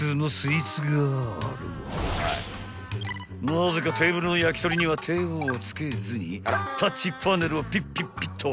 ［なぜかテーブルの焼き鳥には手を付けずにタッチパネルをピッピッピッと］